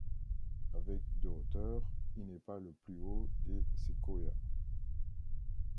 Avec de hauteur, il n'est pas le plus haut des séquoias.